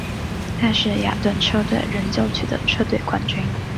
但是雅顿车队仍旧取得车队冠军。